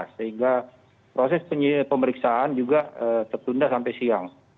sehingga proses pemeriksaan juga tertunda sampai siang